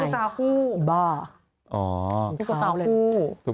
ตุ๊กตาคู่